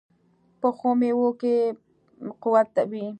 پخو میوو کې قوت وي